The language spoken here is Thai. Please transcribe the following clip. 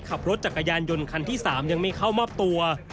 ขับรถจักรยานยนต์คันที่๓ยังไม่เข้ามอบตัว